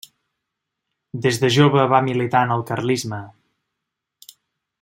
Des de jove va militar en el carlisme.